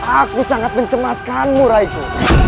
aku sangat mencemaskanmu raiku